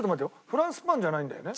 フランスパンじゃないんだよね？